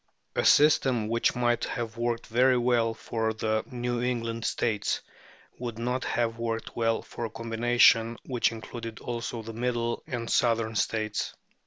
A system which might have worked very well for the New England States would not have worked well for a combination which included also the middle and southern States.